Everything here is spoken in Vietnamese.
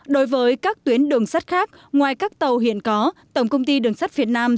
đối với các tuyến đường sắt khác ngoài các tàu hiện có tổng công ty đường sắt việt nam